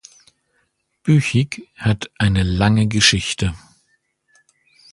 Büchig hat eine lange Geschichte.